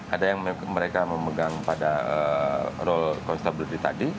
ada yang mereka memegang pada role constability tadi